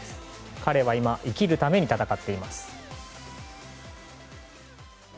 彼は今、生きるために戦っています。